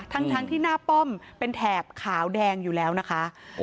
ทั้งที่หน้าป้อมเป็นแถบขาวแดงอยู่แล้วนะคะ